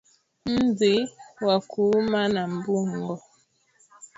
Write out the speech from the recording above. nzi wa kuuma na Mbungo